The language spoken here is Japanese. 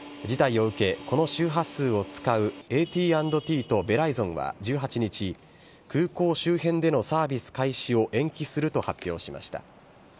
事態を受け、この周波数を使うＡＴ＆Ｔとベライゾンは１８日、空港周辺でのサービス開始を延期すると発表しました。